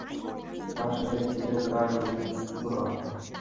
তাঁর সাথে ছিলেন তার মেয়ে সাফুরা।